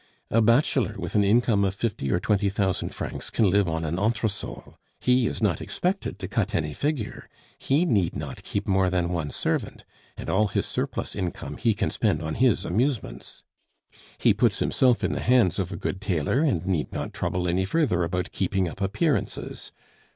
A bachelor with an income of fifteen or twenty thousand francs can live on an entre sol; he is not expected to cut any figure; he need not keep more than one servant, and all his surplus income he can spend on his amusements; he puts himself in the hands of a good tailor, and need not trouble any further about keeping up appearances.